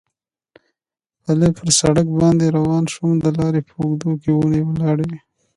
پلی پر سړک باندې روان شوم، د لارې په اوږدو کې ونې ولاړې وې.